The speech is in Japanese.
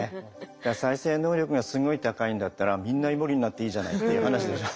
再生能力がすごい高いんだったらみんなイモリになっていいじゃないっていう話でしょ。